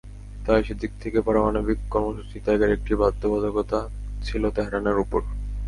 তাই সেদিক থেকে পারমাণবিক কর্মসূচি ত্যাগের একটি বাধ্যবাধকতা ছিল তেহরানের ওপর।